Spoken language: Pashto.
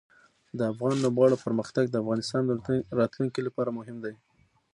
د افغان لوبغاړو پرمختګ د افغانستان راتلونکې لپاره مهم دی.